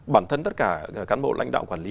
bản thân tất cả cán bộ lãnh đạo quản lý